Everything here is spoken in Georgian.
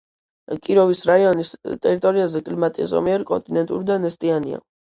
კიროვის რაიონის ტერიტორიაზე კლიმატი ზომიერი კონტინენტური და ნესტიანია.